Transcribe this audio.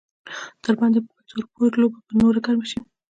د تر بنده په پنځو روپو لوبه به نوره ګرمه شي.